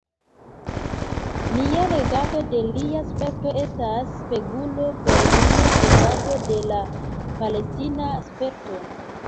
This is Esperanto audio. Nia legado de lia sperto estas spegulo por nia legado de la palestina sperto.